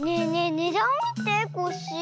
ねだんをみてコッシー。